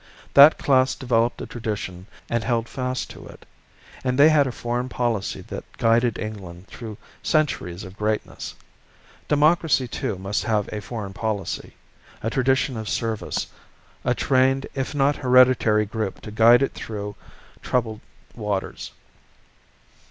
That class developed a tradition and held fast to it; and they had a foreign policy that guided England through centuries of greatness. Democracy too must have a foreign policy, a tradition of service; a trained if not hereditary group to guide it through troubled waters.